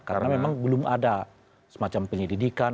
karena memang belum ada semacam penyelidikan